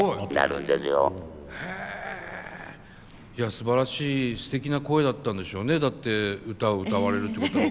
すばらしいすてきな声だったんでしょうねだって歌を歌われるってことは。